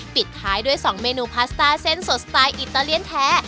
ปิดท้ายด้วย๒เมนูพาสต้าเส้นสดสไตล์อิตาเลียนแท้